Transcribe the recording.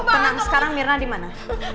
tenang sekarang mirna dimana